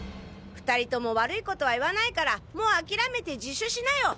２人とも悪いことは言わないからもう諦めて自首しなよ。